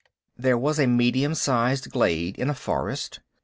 There was a medium size glade in a forest.